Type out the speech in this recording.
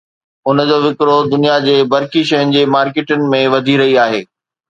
ان جي وڪرو دنيا جي برقي شين جي مارڪيٽن ۾ وڌي رهي آهي